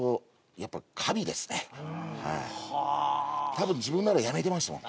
多分自分ならやめてましたもん。